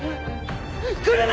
来るな！